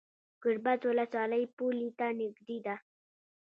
ګربز ولسوالۍ پولې ته نږدې ده؟